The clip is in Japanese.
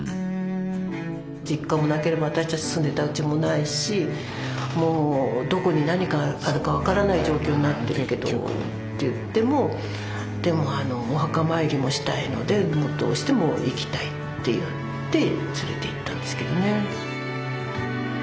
実家もなければ私たち住んでたうちもないしもうどこに何があるか分からない状況になってるけどって言ってもでもお墓参りもしたいのでどうしても行きたいって言って連れていったんですけどね。